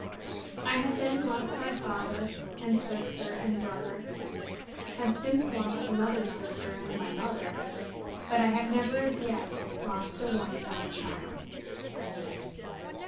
I had then lost my father, and sister, and brother, have since lost another sister and my mother; but I have never as yet lost a wife or a child.